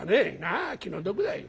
「ああ気の毒だい。